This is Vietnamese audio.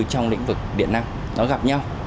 trong lĩnh vực điện năng nó gặp nhau